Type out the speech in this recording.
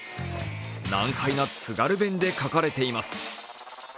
難解な津軽弁で書かれています。